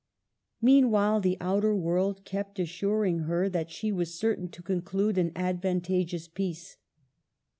Meanwhile the outer world kept assuring her that she was certain to conclude an advanta geous peace.